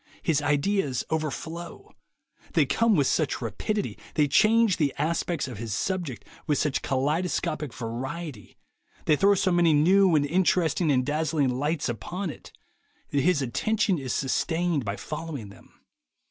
His ideas overflow; they come with such rapidity, they change the aspects of his subject with such kaleidoscopic variety, they throw so many new and interesting and dazzling lights upon it, that his attention is sustained by following them.